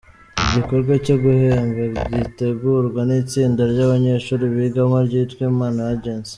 Igikorwa cyo guhemba gitegurwa n’itsinda ry’abanyeshuri bigamo ryitwa Impano Agency.